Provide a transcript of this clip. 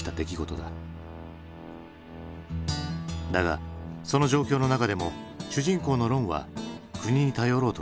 だがその状況の中でも主人公のロンは国に頼ろうとはしない。